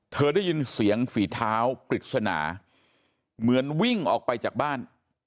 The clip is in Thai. เธอได้ยินเสียงฝีเท้าปริศนาเหมือนวิ่งออกไปจากบ้าน